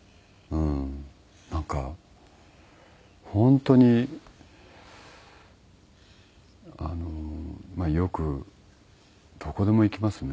なんか本当にまあよくどこでも行きますね。